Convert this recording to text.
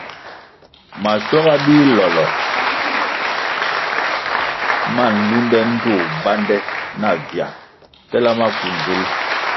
Maschuaga bilolo ma nlunde ndtoh bande navia tela maku nzul.